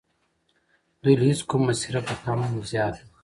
دوی له هیچ کوم مسیره په کم و زیات.